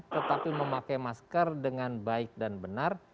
tetapi memakai masker dengan baik dan benar